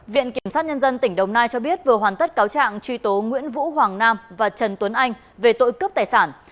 viện kiểm sát nhân dân tỉnh đồng nai cho biết vừa hoàn tất cáo trạng truy tố nguyễn vũ hoàng nam và trần tuấn anh về tội cướp tài sản